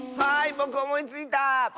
ぼくおもいついた！